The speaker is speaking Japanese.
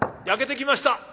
焼けてきました」。